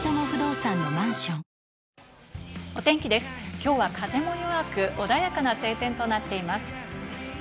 今日は風も弱く、穏やかな晴天となっています。